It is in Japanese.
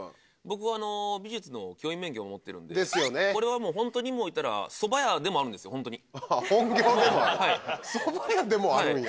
僕は美術の教員免許を持ってるんでこれはホントにもう言ったら蕎麦屋でもあるんですよホントにああ本業でもある？